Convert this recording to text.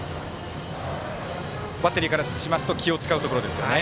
バッテリーからしますと気を使うところですね。